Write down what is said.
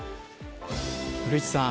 古市さん